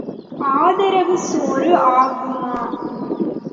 ஆதரவு சோறு ஆகுமா?